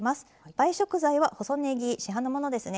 映え食材は細ねぎ市販のものですね。